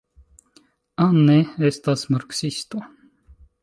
Anne estas marksisto.